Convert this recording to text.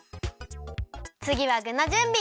つぎはぐのじゅんび！